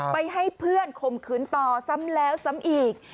ไปให้เพื่อนข่มขืนต่อซ้ำแล้วซ้ำอีก